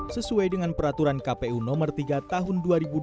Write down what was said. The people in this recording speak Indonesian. sesuai dengan peraturan kpu nomor tiga tahun dua ribu dua puluh